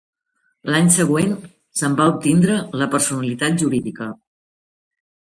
L'any següent, se'n va obtindre la personalitat jurídica.